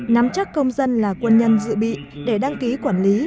nắm chắc công dân là quân nhân dự bị để đăng ký quản lý